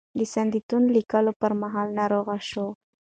د "سندیتون" لیکلو پر مهال ناروغه شوه.